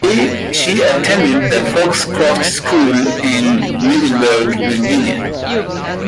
She attended the Foxcroft School in Middleburg, Virginia.